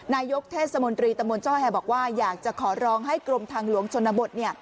นายกเทศมนตรีตะมนต์จ้อแฮบอกว่าอยากจะขอร้องให้กรมทางหลวงชนบท